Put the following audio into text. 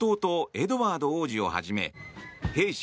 エドワード王子をはじめ兵士